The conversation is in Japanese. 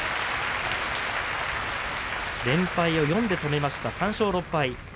連敗を４で止めました、３勝６敗。